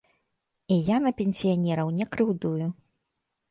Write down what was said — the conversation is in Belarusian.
І я на пенсіянераў не крыўдую.